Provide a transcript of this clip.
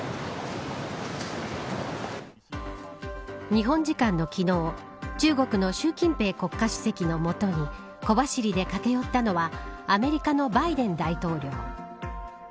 日本時間の昨日中国の習近平国家主席の元に小走りで駆け寄ったのはアメリカのバイデン大統領。